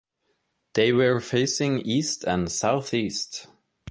They were facing east and southeast.